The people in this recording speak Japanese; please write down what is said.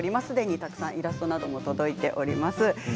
すでにたくさんイラストなども届いております。